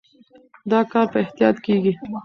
دا کار په احتیاط کېږي.